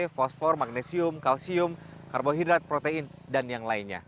fosfor magnesium kalsium karbohidrat protein dan yang lainnya